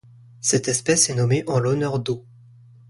Cette espèce est nommée en l'honneur d'O.